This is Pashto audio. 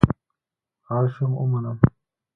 اړ شوم ومنم.